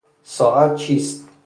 ساعت چیست؟